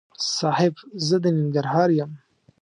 صاحب! زه د ننګرهار یم.